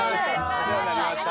お世話になりました。